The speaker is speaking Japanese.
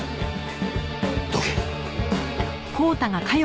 どけ！